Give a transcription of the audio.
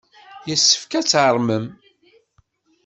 Yessefk ad tarmem!